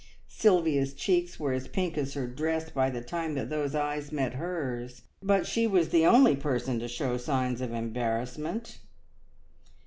Sylvia's cheeks were as pink as her dress by the time that those eyes met hers, but she was the only person to show signs of embarrassment.